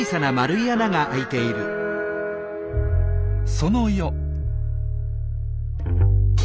その夜。